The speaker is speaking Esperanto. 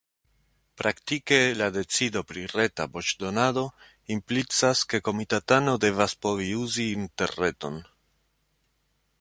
Praktike la decido pri reta voĉdonado implicas, ke komitatano devas povi uzi interreton.